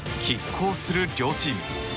拮抗する両チーム。